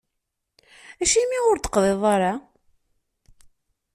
Acimi ur d-teqḍiḍ ara?